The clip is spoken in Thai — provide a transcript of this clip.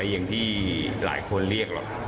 อย่างที่หลายคนเรียกหรอก